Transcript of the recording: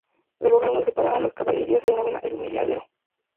El lugar donde se pararon las caballerías se denomina "El Humilladero".